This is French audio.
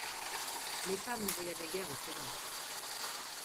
Les femmes ne voyageaient guère autrement.